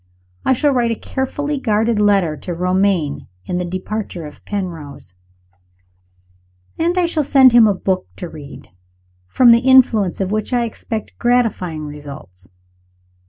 I shall write a carefully guarded letter to Romayne, on the departure of Penrose; and I shall send him a book to read, from the influence of which I expect gratifying results.